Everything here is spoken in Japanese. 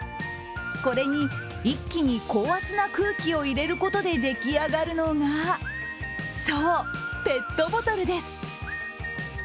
これに一気に高圧な空気を入れることで出来上がるのがそう、ペットボトルです。